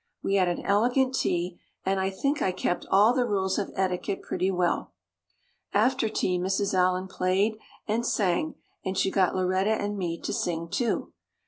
We had an elegant tea, and I think I kept all the rules of etiquette pretty well. After tea Mrs. Allan played and sang and she got Lauretta and me to sing too.